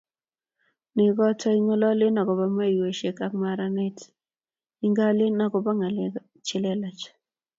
nekoto ing'ololen akobo mweiset ak maranet, ing'alalen akobo ng'alek chelelach